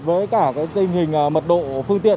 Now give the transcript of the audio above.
với cả cái tình hình mật độ phương tiện